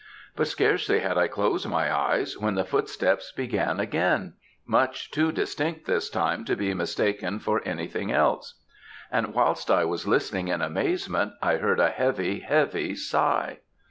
But scarcely had I closed my eyes, when the footsteps began again, much too distinct this time to be mistaken for anything else; and whilst I was listening in amazement, I heard a heavy, heavy sigh.